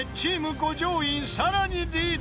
五条院さらにリード］